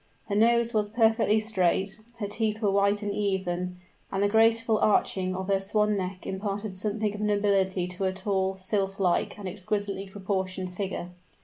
Her nose was perfectly straight; her teeth were white and even, and the graceful arching of her swan neck imparted something of nobility to her tall, sylph like, and exquisitely proportioned figure.